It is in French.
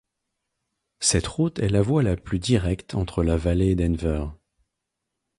Cette route est la voie la plus directe entre la vallée et Denver.